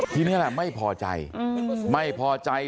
ทีนี้ไม่พอใจ